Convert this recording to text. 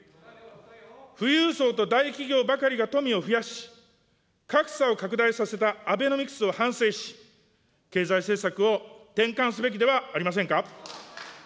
富裕層と大企業ばかりが富を増やし、格差を拡大させたアベノミクスを反省し、経済政策を転換すべきではありませんか。